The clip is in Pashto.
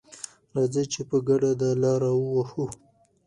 راځئ چې په ګډه دا لاره ووهو.